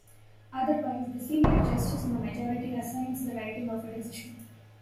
Otherwise, the senior justice in the majority assigns the writing of a decision.